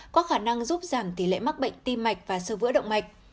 có khả năng giúp giảm tỷ lệ mắc bệnh tim mạch và sơ vỡ động mạch